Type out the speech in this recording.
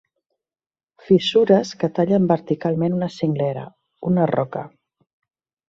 Fissures que tallen verticalment una cinglera, una roca.